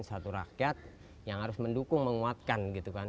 satu rakyat yang harus mendukung menguatkan